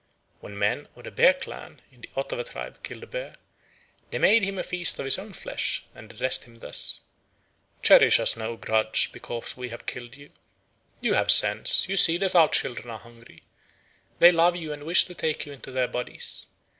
When men of the Bear clan in the Ottawa tribe killed a bear, they made him a feast of his own flesh, and addressed him thus: "Cherish us no grudge because we have killed you. You have sense; you see that our children are hungry. They love you and wish to take you into their bodies.